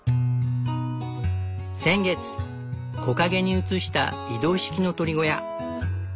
先月木陰に移した移動式の鶏小屋。